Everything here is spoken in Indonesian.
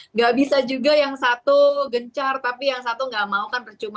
nggak bisa juga yang satu gencar tapi yang satu nggak mau kan percuma